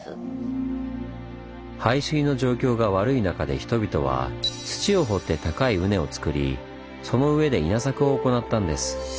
排水の状況が悪い中で人々は土を掘って高い畝をつくりその上で稲作を行ったんです。